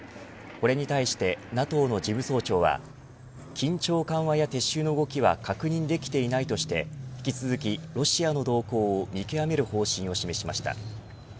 これに対してＮＡＴＯの事務総長は緊張緩和や撤収の動きは確認できていないとして引き続き、ロシアの動向を見極める方針を示しました。